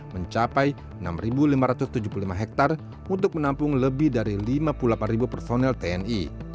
mencapai enam lima ratus tujuh puluh lima hektare untuk menampung lebih dari lima puluh delapan personel tni